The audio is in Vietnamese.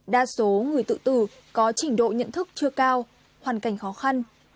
đa số người tự tử có trình độ nhận thức chưa cao hoàn cảnh khó khăn